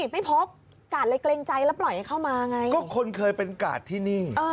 พวกคนเคยเป็นกาดที่นี่